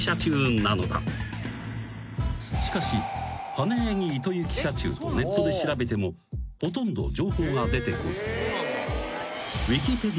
［しかし花柳糸之社中とネットで調べてもほとんど情報が出てこず］